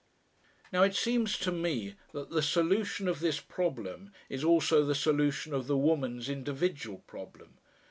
Now, it seems to me that the solution of this problem is also the solution of the woman's individual problem.